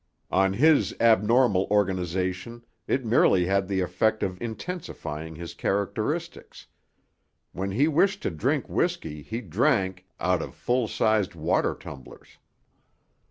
On his abnormal organisation it merely had the effect of intensifying his characteristics. When he wished to drink whisky he drank—out of full sized water tumblers.